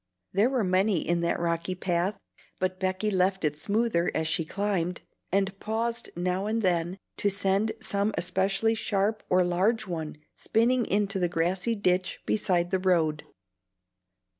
There were many in that rocky path, but Becky left it smoother as she climbed, and paused now and then to send some especially sharp or large one spinning into the grassy ditch beside the road.